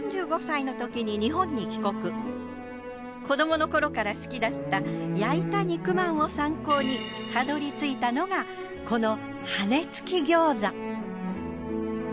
子どもの頃から好きだった焼いた肉まんを参考にたどり着いたのがこの羽根付き餃子。